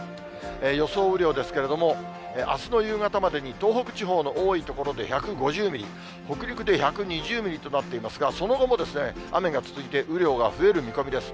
予想雨量ですけれども、あすの夕方までに、東北地方の多い所で１５０ミリ、北陸で１２０ミリとなっていますが、その後も雨が続いて、雨量が増える見込みです。